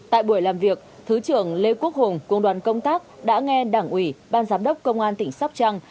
tại buổi làm việc thứ trưởng lê quốc hùng cùng đoàn công tác đã nghe đảng ủy ban giám đốc công an tỉnh sóc trăng